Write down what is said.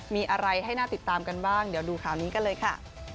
มีอะไรให้น่าติดตามกันบ้างเดี๋ยวดูข่าวนี้กันเลยค่ะ